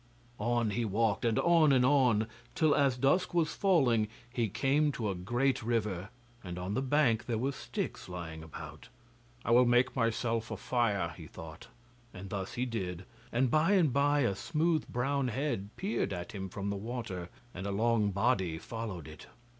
On he walked, and on and on, till as dusk was falling he came to a great river, and on the bank there were sticks lying about. 'I will make myself a fire,' he thought, and thus he did, and by and bye a smooth brown head peered at him from the water, and a long body followed it.